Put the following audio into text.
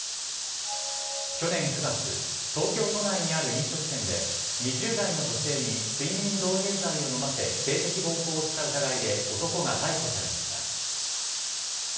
去年９月東京都内にある飲食店で２０代の女性に睡眠導入剤を飲ませ性的暴行をした疑いで男が逮捕されました。